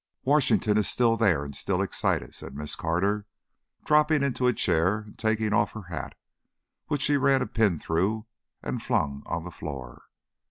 "Washington is still there and still excited," said Miss Carter, dropping into a chair and taking off her hat, which she ran the pin through and flung on the floor.